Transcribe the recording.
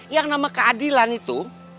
yang nama keadilan itu